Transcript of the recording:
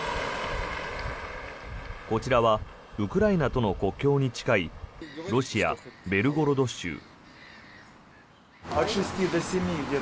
こちらはウクライナとの国境に近いロシア・ベルゴロド州。